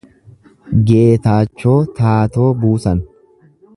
Geetaachoo Taatoo Buusan